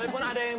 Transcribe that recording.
walaupun ada yang